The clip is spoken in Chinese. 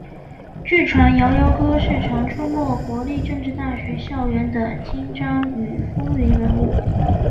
据传摇摇哥是常出没国立政治大学校园的精障与风云人物。